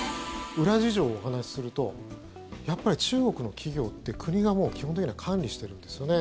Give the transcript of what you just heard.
裏事情をお話しするとやっぱり中国の企業って国が、もう基本的には管理してるんですよね。